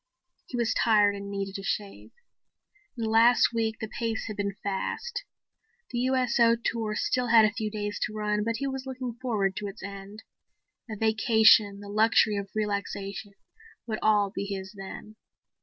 He was tired and needed a shave. In the last week the pace had been fast. The USO tour still had a few days to run, but he was looking forward to its end. A vacation, the luxury of relaxation would all be his then.